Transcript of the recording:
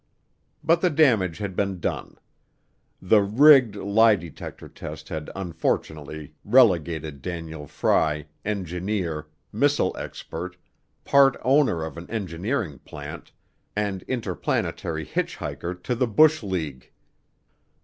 But the damage had been done. The "rigged" lie detector test had unfortunately relegated Daniel Fry, "engineer," "missile expert," "part owner of an engineering plant," and interplanetary hitchhiker to the bush league.